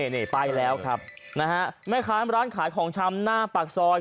นี่ไปแล้วครับนะฮะแม่ค้าร้านขายของชำหน้าปากซอย